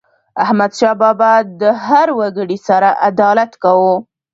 احمدشاه بابا به د هر وګړي سره عدالت کاوه.